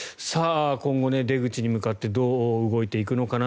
今後、出口に向かってどう動いていくのか